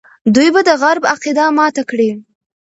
دوی به د غرب عقیده ماته کړي.